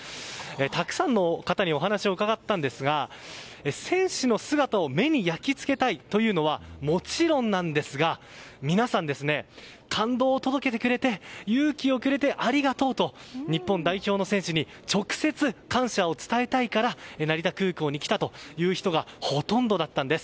たくさんの方にお話を伺ったんですが選手の姿を目に焼き付けたいというのはもちろんなんですが皆さん、感動を届けてくれて勇気をくれてありがとうと日本代表の選手に直接感謝を伝えたいから成田空港に来たという人がほとんどだったんです。